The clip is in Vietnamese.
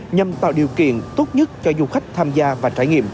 nhằm tạo điều kiện tốt nhất cho du khách tham gia